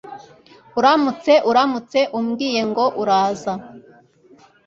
uramutse uramutse, umbwiye ngo uraza